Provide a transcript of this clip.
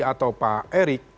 atau pak erik